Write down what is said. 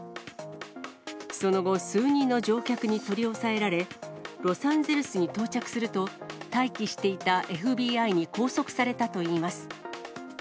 その後、数人の乗客に取り押さえられ、ロサンゼルスに到着すると、待機していたＦＢＩに拘束されたといいます。